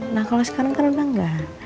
nah kalau sekarang kan udah nggak